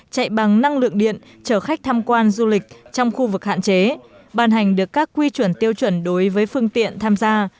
chạy bằng năng lượng điện chở khách tham quan du lịch trong khu vực hạn chế ban hành được các quy chuẩn tiêu chuẩn đối với phương tiện tham gia